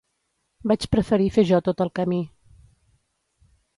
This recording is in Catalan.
Vaig preferir fer jo tot el camí.